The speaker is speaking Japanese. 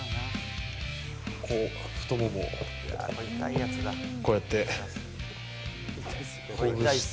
こう、太ももを、こうやって、ほぐして。